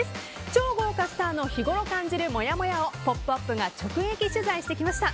超豪華スターの日ごろ感じるもやもやを「ポップＵＰ！」が直撃取材してきました。